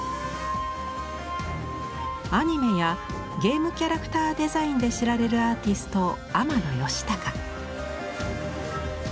アニメやゲームキャラクターデザインで知られるアーティスト天野喜孝。